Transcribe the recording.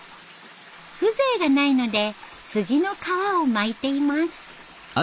風情がないので杉の皮を巻いています。